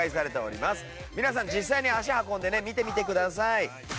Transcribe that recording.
皆さん実際に足運んでね見てみてください。